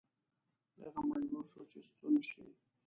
هغه مجبور شو چې ستون شي.